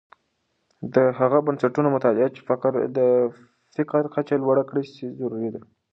د هغه بنسټونو مطالعه چې د فقر کچه لوړه کړې سي، ضروری ده.